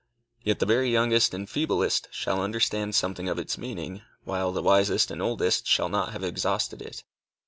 Yet the very youngest and feeblest shall understand something of its meaning, while the wisest and oldest shall not have exhausted it.